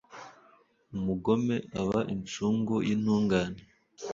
Umugome aba incungu y’intungane